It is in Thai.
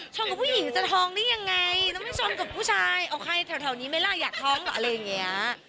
กับผู้หญิงจะท้องได้ยังไงต้องชมกับผู้ชายเอาใครแถวนี้ไหมล่ะอยากท้องเหรออะไรอย่างเงี้ย